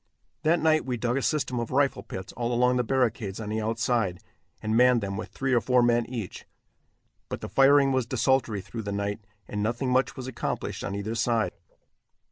That night we dug a system of rifle pits all along the barricades on the outside, and manned them with three or four men each, but the firing was desultory through the night, and nothing much was accomplished on either side.